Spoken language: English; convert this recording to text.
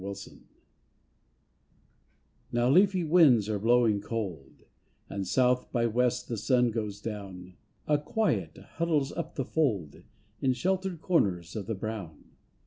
AUTUMN Now leafy winds are blowing cold, And South by West the sun goes down, A quiet huddles up the fold In sheltered corners of the brown.